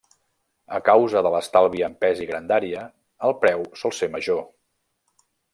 A causa de l'estalvi en pes i grandària el preu sol ser major.